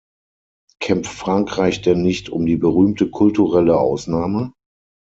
Kämpft Frankreich denn nicht um die berühmte kulturelle Ausnahme?